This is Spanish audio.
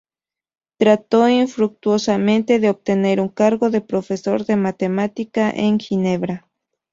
Trató infructuosamente de obtener un cargo de profesor de matemáticas en Ginebra.